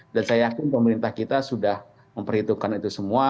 dan saya yakin pemerintah kita sudah memperhitungkan itu semua